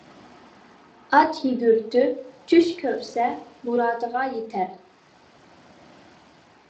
ئات يۈگۈرتۈپ چۈش كۆرسە مۇرادىغا يېتەر.